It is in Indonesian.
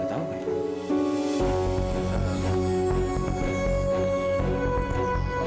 aku peng prince itu